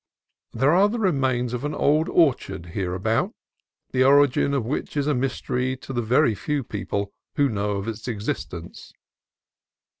There are the remains of an old orchard here about, the origin of which is a mystery to the few people who know of its existence.